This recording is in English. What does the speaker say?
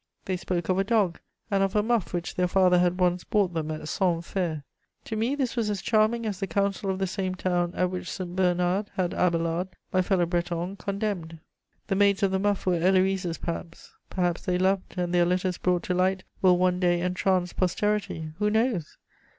They spoke of a dog, and of a muff which their father had once bought them at Sens Fair. To me this was as charming as the council of the same town at which St. Bernard had Abélard, my fellow Breton, condemned. The maids of the muff were Heloïses perhaps; perhaps they loved, and their letters, brought to light, will one day entrance posterity. Who knows?